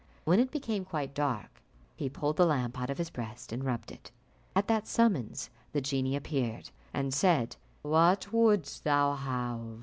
When it became quite dark, he pulled the lamp out of his breast and rubbed it. At that summons the genie appeared, and said, "What wouldst thou have?